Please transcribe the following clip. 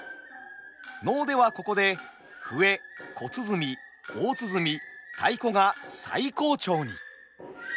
能ではここで笛小鼓大鼓太鼓が最高潮に。